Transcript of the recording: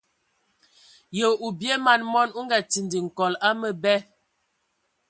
Ye o bie man mɔn, o nga tindi nkol a məbɛ.